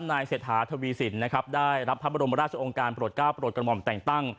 นายเศรษฐาทวีสินนะครับได้รับพระบรมราชองค์การโปรดก้าวโปรดกระหม่อมแต่งตั้ง